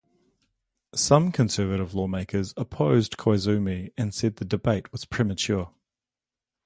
Some conservative lawmakers opposed Koizumi and said the debate was premature.